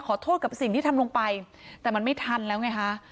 ขอโทษกับสิ่งที่ทำลงไปแต่มันไม่ทันแล้วไงคะ